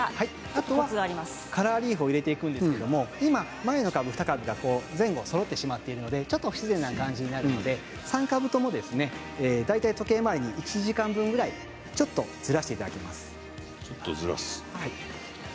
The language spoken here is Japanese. あとはカラーリーフを入れていくんですけれども前の株２株が前後そろってしまっているので不自然な感じなので３株ほど大体、時計回りに１時間分ほどずらしていただきます。